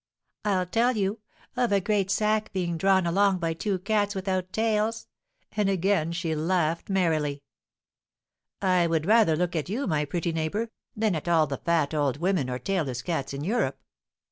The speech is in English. I'll tell you, of a great sack being drawn along by two cats without tails!" and again she laughed merrily. "I would rather look at you, my pretty neighbour, than at all the fat old women or tailless cats in Europe.